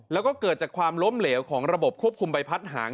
แล้วก็เกิดจากความล้มเหลวของระบบควบคุมใบพัดหาง